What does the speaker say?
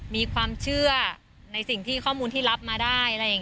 มีความเชื่อในข้อมูลที่รับมาได้